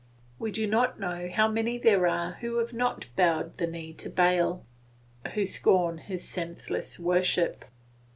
We do not know how many there are who have not bowed the knee to Baal, who scorn his senseless worship.